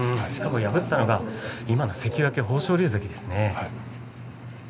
破ったのが今、関脇の豊昇龍関ですね。